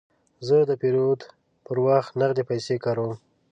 زه د پیرود پر وخت نغدې پیسې کاروم.